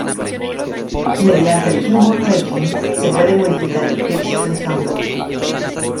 Mediante el "keyboard tracking" se puede modificar el "pitch" del sample.